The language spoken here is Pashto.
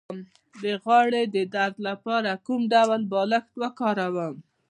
د غاړې د درد لپاره کوم ډول بالښت وکاروم؟